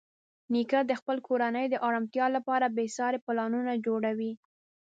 نیکه د خپلې کورنۍ د ارامتیا لپاره بېساري پلانونه جوړوي.